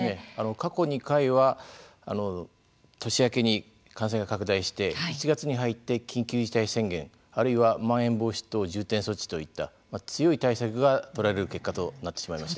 過去２回は年明けに感染が拡大して１月に入って緊急事態宣言あるいは、まん延防止等重点措置といった強い対策が取られる結果となってしまいました。